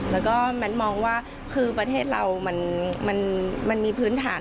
แล้วก็แมทมองว่าคือประเทศเรามันมีพื้นฐาน